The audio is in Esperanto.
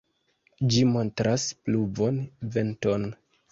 Ĝi montras pluvon venton.